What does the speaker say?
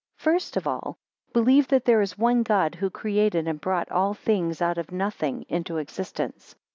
FIRST of all believe that there is one God who created and brought all things out of nothing into existence.